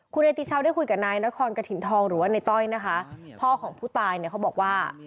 คุณเนติชาวได้คุยกับนายนครกระถิ่นทองหรือว่าในต้อยนะคะพ่อของผู้ตายเนี่ยเขาบอกว่า